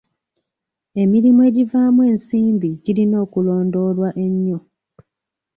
Emirimu egivaamu ensimbi girina okulondoolwa ennyo.